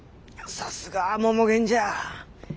さすがはモモケンじゃ。